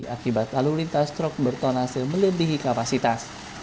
akibat lalu lintas truk bertonase melebihi kapasitas